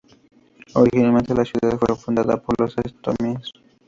Originalmente, la ciudad fue fundada por los otomíes.